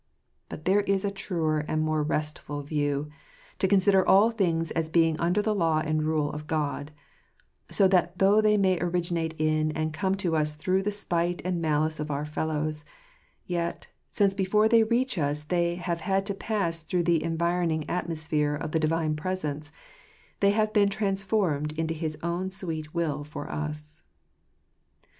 But there is a truer and more restful view, to consider all things as being under the law and rule of God ; so that though they may originate in and come to us through the spite and malice of our fellows, yet, since before they reach us they have had to pass through the environing atmosphere of the Divine Presence, they have been transformed into his own sweet will for us.